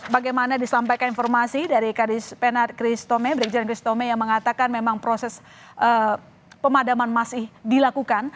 bagaimana disampaikan informasi dari kadis penat kristome brigjen christome yang mengatakan memang proses pemadaman masih dilakukan